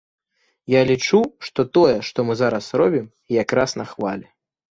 Я лічу, што тое, што мы зараз робім, як раз на хвалі.